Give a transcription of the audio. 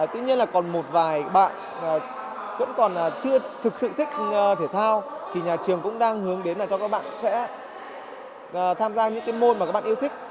tuy nhiên là còn một vài bạn vẫn còn chưa thực sự thích thể thao thì nhà trường cũng đang hướng đến là cho các bạn sẽ tham gia những cái môn mà các bạn yêu thích